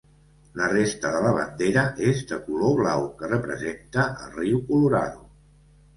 La resta de la bandera és de color blau, que representa el riu Colorado.